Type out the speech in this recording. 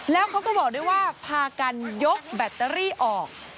แล้วเขาก็บอกด้วยว่าพากันยกแบตเตอรี่ออก